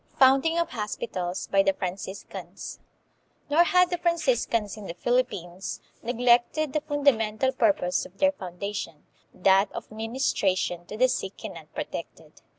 Founding of Hospitals by the Franciscans. Nor had the Franciscans in the Philippines neglected the fun damental purpose of their foundation, that of ministra tion to the sick and unprotected.